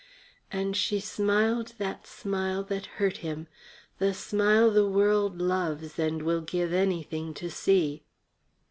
And she smiled that smile that hurt him, the smile the world loves and will give anything to see.